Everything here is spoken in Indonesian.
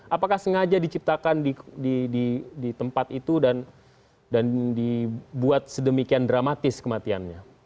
apakah sengaja diciptakan di tempat itu dan dibuat sedemikian dramatis kematiannya